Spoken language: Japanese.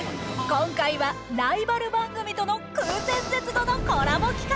今回はライバル番組との空前絶後のコラボ企画。